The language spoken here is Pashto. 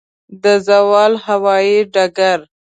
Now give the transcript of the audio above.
د زاول هوايي ډګر